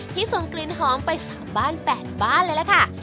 ส่งกลิ่นหอมไป๓บ้าน๘บ้านเลยล่ะค่ะ